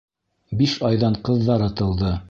Биш айҙан ҡыҙҙары тыуҙы.